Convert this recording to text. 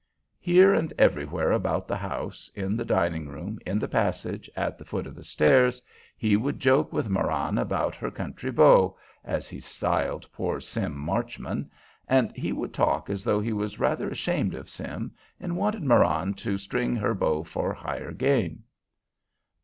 Here and everywhere about the house, in the dining room, in the passage, at the foot of the stairs, he would joke with Marann about her country beau, as he styled poor Sim Marchman, and he would talk as though he was rather ashamed of Sim, and wanted Marann to string her bow for higher game.